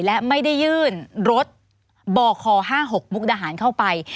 และไม่ได้ยื่นรถบค๕๖มุกดาหารเข้าไป